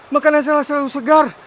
makanannya selalu segar